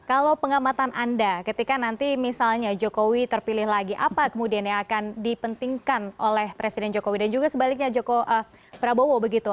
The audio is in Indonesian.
kalau pengamatan anda ketika nanti misalnya jokowi terpilih lagi apa kemudian yang akan dipentingkan oleh presiden jokowi dan juga sebaliknya prabowo begitu